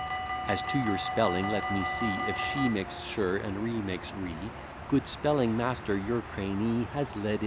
As to your spelling, let me see, If SHE makes sher, and RI makes ry, Good spelling master: your crany has lead in't.